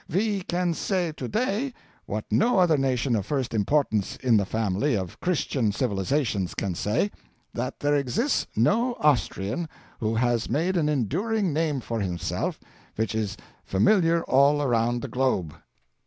We can say to day what no other nation of first importance in the family of Christian civilisations can say that there exists no Austrian who has made an enduring name for himself which is familiar all around the globe.